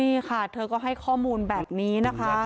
นี่ค่ะเธอก็ให้ข้อมูลแบบนี้นะคะ